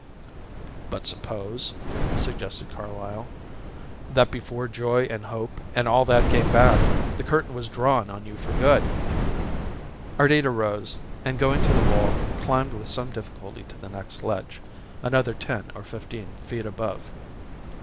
"But supposing," suggested Carlyle, "that before joy and hope and all that came back the curtain was drawn on you for good?" Ardita rose, and going to the wall climbed with some difficulty to the next ledge, another ten or fifteen feet above.